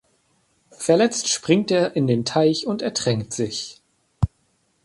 Verletzt springt er in den Teich und ertränkt sich.